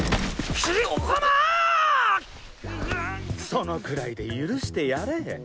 そのくらいで許してやれ。